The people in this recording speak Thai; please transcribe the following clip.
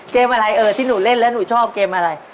เกมอะไรเออที่หนูเล่นแล้วหนูชอบเกมอะไร